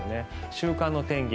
週間の天気